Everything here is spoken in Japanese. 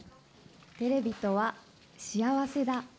テレビとは、幸せだ。